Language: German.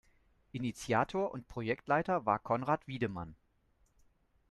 Initiator und Projektleiter war Conrad Wiedemann.